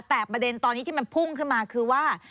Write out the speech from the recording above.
แต่ประเด็นตอนนี้ที่มันพุ่งขึ้นมาคือว่า